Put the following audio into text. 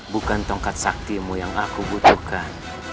bukan tongkat saktimu yang aku butuhkan